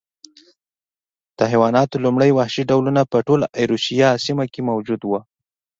د حیواناتو لومړي وحشي ډولونه په ټوله ایرویشیا سیمه کې موجود و